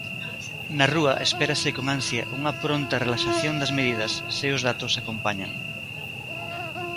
Na rúa, espérase con ansia unha pronta relaxación das medidas se os datos acompañan.